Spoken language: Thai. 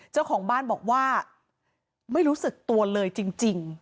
เจ้าของบ้านบอกว่าไม่รู้สึกตัวเลยจริง